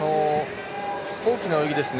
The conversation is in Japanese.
大きな泳ぎですね。